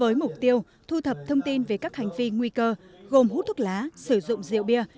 với mục tiêu thu thập thông tin về các hành vi nguy cơ gồm hút thuốc lá sử dụng rượu bia